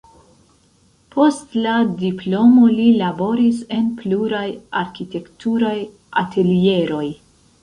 Post la diplomo li laboris en pluraj arkitekturaj atelieroj.